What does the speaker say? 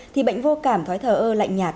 thì bệnh vô cảm thói thở ơ lạnh nhạt